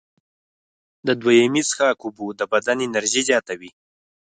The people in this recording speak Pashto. د دویمې څښاک اوبه د بدن انرژي زیاتوي.